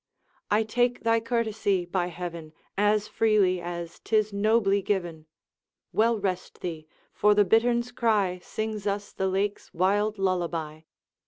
'I take thy courtesy, by heaven, As freely as 'tis nobly given!' Well, rest thee; for the bittern's cry Sings us the lake's wild lullaby.'